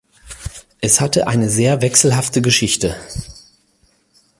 Es hatte eine sehr wechselhafte Geschichte.